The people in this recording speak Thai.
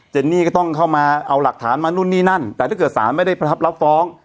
นี่ก็ต้องเข้ามาเอาหลักฐานมานู่นนี่นั่นแต่ถ้าเกิดสารไม่ได้รับฟ้อง